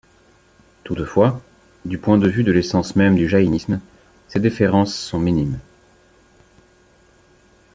Toutefois, du point de vue de l'essence même du jaïnisme, ces différences sont minimes.